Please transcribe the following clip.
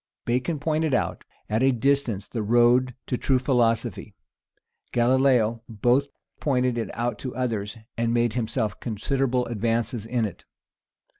Bacon pointed out at a distance the road to true philosophy: Galilaeo both pointed it out to others, and made himself considerable advances in it.